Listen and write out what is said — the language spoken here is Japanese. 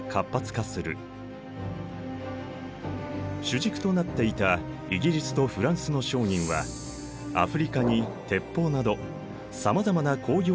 主軸となっていたイギリスとフランスの商人はアフリカに鉄砲などさまざまな工業製品を輸出。